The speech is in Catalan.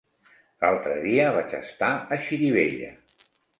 L'altre dia vaig estar a Xirivella.